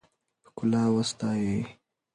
ښکلا وستایئ.